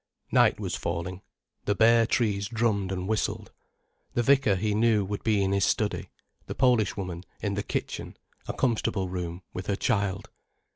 Night was falling, the bare trees drummed and whistled. The vicar, he knew, would be in his study, the Polish woman in the kitchen, a comfortable room, with her child.